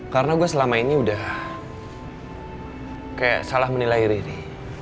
karena gue selama ini udah kayak salah menilai riri